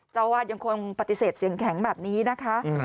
เจ้าวาดยังคงปฏิเสธเสียงแข็งแบบนี้นะคะ